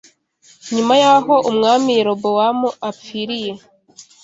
NYUMA y’aho umwami Yerobowamu apfiriye